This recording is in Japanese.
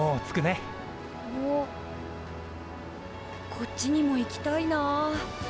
こっちにも行きたいな。